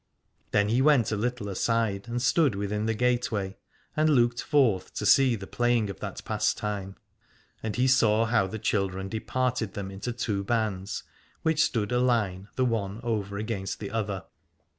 Then he went a little aside and stood within the gateway and looked forth to see the playing of that pastime. And he saw how the children departed them into two bands, which stood aline the one over against the other.